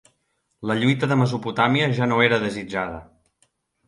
La lluita de Mesopotàmia ja no era desitjada.